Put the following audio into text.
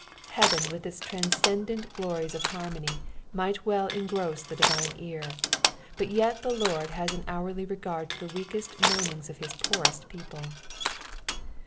Heaven with its transcendent stories of harmony might well engrosB the divine ear, but yet the Lord has an nourly regard to the weakest moaninga of his poorest people.